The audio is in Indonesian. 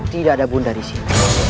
tidak ada bunda disini